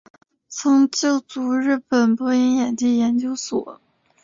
曾就读日本播音演技研究所。